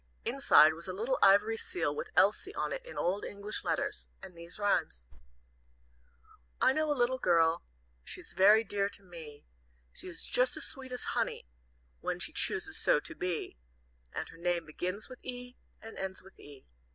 Inside was a little ivory seal with "Elsie" on it in old English letters, and these rhymes: "I know a little girl, She is very dear to me, She is just as sweet as honey When she chooses so to be, And her name begins with E, and ends with E.